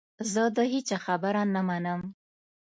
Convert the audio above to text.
زه د هیچا خبره نه منم .